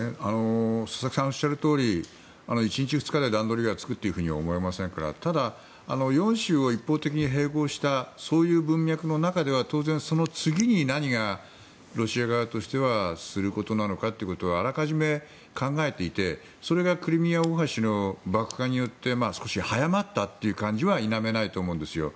佐々木さんがおっしゃるとおり１日、２日で段取りがつくとは思いませんからただ、４州を一方的に併合したそういう文脈の中では当然その次に何がロシア側としてはすることなのかということはあらかじめ考えていてそれがクリミア大橋の爆破によって少し早まったという感じは否めないと思うんですよ。